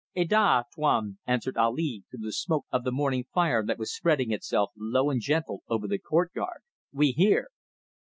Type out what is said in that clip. "Ada, Tuan!" answered Ali through the smoke of the morning fire that was spreading itself, low and gentle, over the courtyard "we hear!"